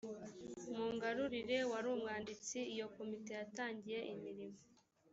mungarurire wari umwanditsi iyo komite yatangiye imirimo